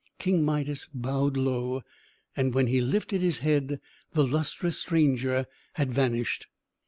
King Midas bowed low; and when he lifted his head, the lustrous stranger had vanished.